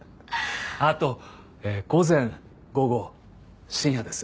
あと午前午後深夜です。